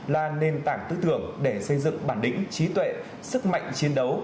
đã nền tảng tư tưởng để xây dựng bản đỉnh trí tuệ sức mạnh chiến đấu